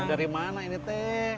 dari mana ini dek